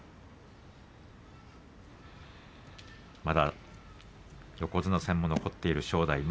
まだ横綱戦も残っている正代